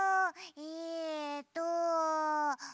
えっと。